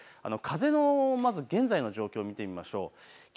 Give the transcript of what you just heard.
風の現在の状況を見てみましょう。